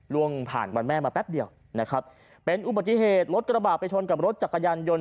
ล่วงผ่านวันแม่มาแป๊บเดียวนะครับเป็นอุบัติเหตุรถกระบาดไปชนกับรถจักรยานยนต์